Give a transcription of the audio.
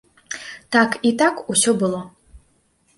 Так і так усе было.